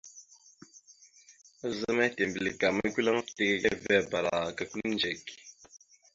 Azzá mehitembelek a mʉkʉleŋá fitek ekeveabara aka kʉliŋdzek.